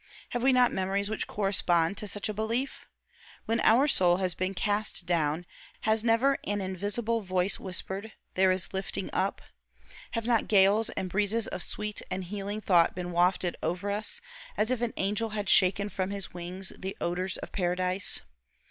Have we not memories which correspond to such a belief? When our soul has been cast down, has never an invisible voice whispered, "There is lifting up"? Have not gales and breezes of sweet and healing thought been wafted over us, as if an angel had shaken from his wings the odors of paradise?